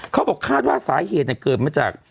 เขาบอกคาดว่าสาเหตุเกิดมาจาก